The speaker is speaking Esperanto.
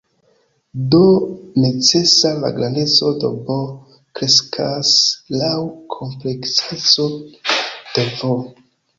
Do, necese la grandeco de "B" kreskas laŭ la komplekseco de "V".